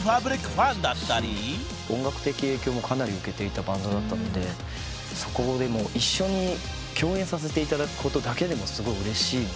音楽的影響もかなり受けていたバンドだったので一緒に共演させていただくことだけでもすごいうれしい。